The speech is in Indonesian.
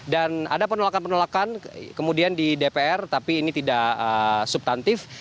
dan ada penolakan penolakan kemudian di dpr tapi ini tidak subtantif